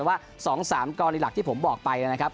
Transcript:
แต่ว่า๒๓กรณีหลักที่ผมบอกไปนะครับ